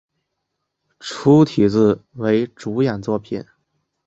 粗体字为主演作品